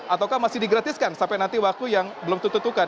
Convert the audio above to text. atau masih digratiskan sampai nanti waktu yang belum ditutupkan